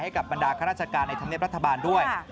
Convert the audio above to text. กับบรรดาข้าราชการในธรรมเนียบรัฐบาลด้วย